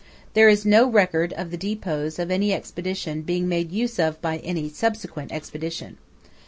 There is no record of the depots of any Expedition being made use of by any subsequent Expedition.